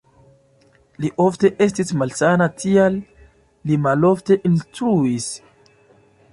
Li ofte estis malsana, tial li malofte instruis.